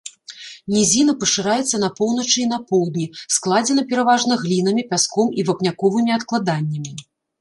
Нізіна пашыраецца на поўначы і на поўдні, складзена пераважна глінамі, пяском і вапняковымі адкладаннямі.